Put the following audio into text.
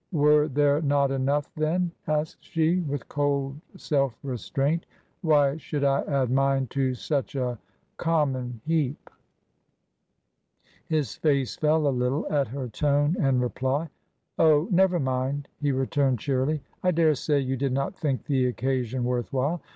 " Were there not enough, then ?" asked she, with cold self restraint. "Why should I add mine to such a — common heap ?" His face fell a little at her tone and reply. " Oh, never mind !" he returned, cheerily ;" I daresay you did not think the occasion worth while.